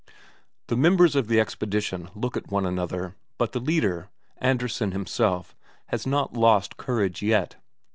The members of the expedition look at one another, but the leader, Andresen himself, has not lost courage yet.